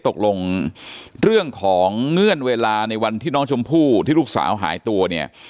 ตกลงเรื่องของเงื่อนเวลาในวันที่น้องชมพู่ที่ลูกสาวหายตัวเนี่ย